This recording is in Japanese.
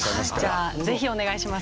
じゃあぜひお願いします。